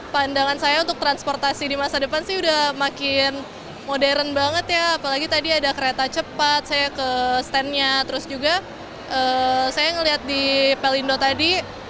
pandangan saya untuk transportasi di masa depan sih udah makin modern banget ya apalagi tadi ada kereta cepat saya ke standnya terus juga saya melihat di pelindo tadi